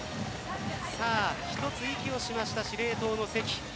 一つ息をしました、司令塔の関。